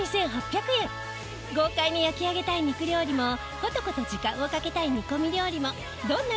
豪快に焼き上げたい肉料理もコトコト時間をかけたい煮込み料理もどんな料理だってお任せあれ。